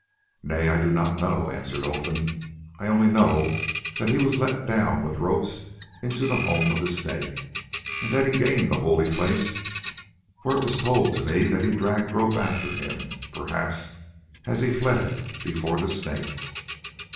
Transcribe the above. "Nay, I do not know," answered Olfan. "I only know that he was let down with ropes into the home of the Snake, and that he gained that holy place, for it was told to me that he dragged rope after him, perhaps as he fled before the Snake.